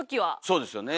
そうですよね。